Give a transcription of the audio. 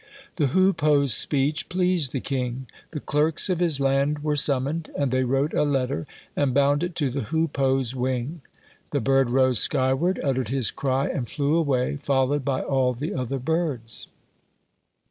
The hoopoe's speech pleased the king. The clerks of his land were summoned, and they wrote a letter and bound it to the hoopoe's wing. The bird rose skyward, uttered his cry, and flew away, followed by all the other birds.